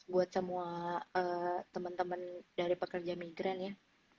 buat semua temen temen dari pekerja migran ya